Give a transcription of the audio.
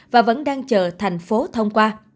và vẫn đang chờ thành phố thông qua